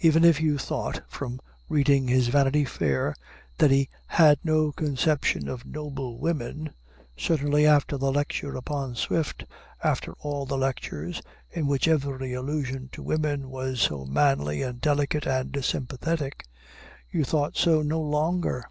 Even if you thought, from reading his Vanity Fair, that he had no conception of noble women, certainly after the lecture upon Swift, after all the lectures, in which every allusion to women was so manly and delicate and sympathetic, you thought so no longer.